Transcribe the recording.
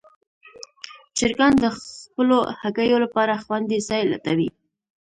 چرګان د خپلو هګیو لپاره خوندي ځای لټوي.